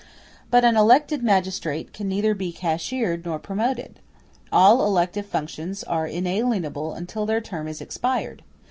But an elected magistrate can neither be cashiered nor promoted. All elective functions are inalienable until their term is expired.